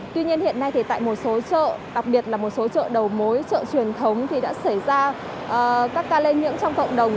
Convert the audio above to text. tuy nhiên hiện nay tại một số chợ đặc biệt là một số chợ đầu mối chợ truyền thống thì đã xảy ra các ca lây nhiễm trong cộng đồng